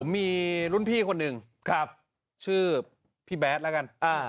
มีรุ่นพี่คนหนึ่งชื่อพี่แบทแล้วกัน